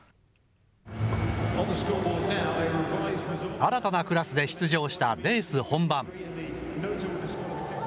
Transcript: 新たなクラスで出場したレース本番。